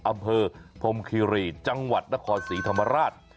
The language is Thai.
อำเภอพรมคิรีจังหวัดนครศรีธรรมราช